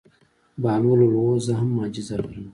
بهلول وویل: هو زه هم معجزه لرم.